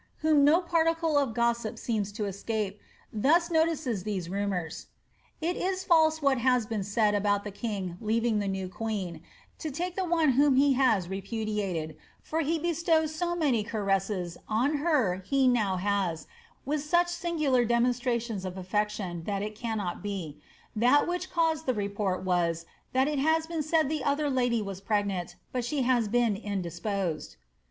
BfarillaC) whom no particle of gossip seems to escape* thus notices these rumours, ^ It is false what has been said about the king learing the new queen, to take the one whom he has repudiated, for he bestows so many caresses on her he now has, with such singular demonstrations of afiee tion, that it cannot be. That which caus^ the report was, that it has been said the other lady was pregnant, but she has been indisposed.''